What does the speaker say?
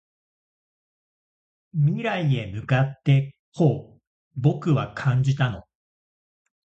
未来へ向かってこう僕は感じたの